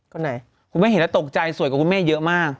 คุณม่ายเห็นแล้วตกใจสวยกว่าคุณม่ายเยอะมาก